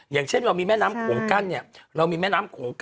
อย่างเช่นเรามีแม่น้ำโขงกั้นเนี่ยเรามีแม่น้ำโขงกัน